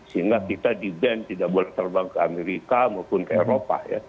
sehingga kita di ban tidak boleh terbang ke amerika maupun ke eropa ya